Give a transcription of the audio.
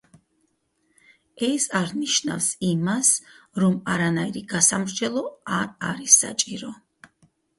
ეს არ ნიშნავს იმას, რომ არანაირი გასამრჯელო არ არის საჭირო.